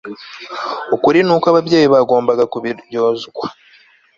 Ukuri nuko ababyeyi bagombaga kubiryozwa